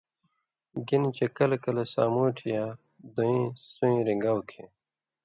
گِنہۡ چے کلہۡ کلہۡ سامُوٹھیۡ یا دُوئیں سُویں رِن٘گاؤ کھیں